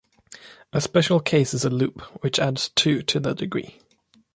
A special case is a loop, which adds two to the degree.